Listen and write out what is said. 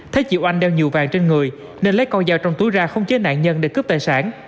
thấy chị oanh đeo nhiều vàng trên người nên lấy con dao trong túi ra khống chế nạn nhân để cướp tài sản